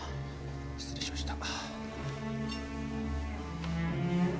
失礼しました。